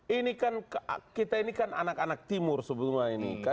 ini kan kita ini kan anak anak timur sebelumnya ini